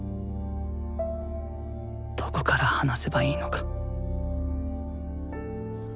どこから話せばいいのか。